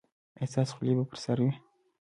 ایا ستاسو خولۍ به پر سر وي؟